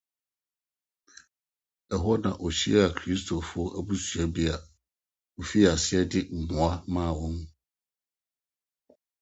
Ɛhɔ na wohyiaa Kristofo abusua bi a wofii ase de mmoa maa wɔn.